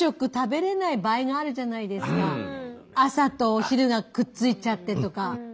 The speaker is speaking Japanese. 朝とお昼がくっついちゃってとか。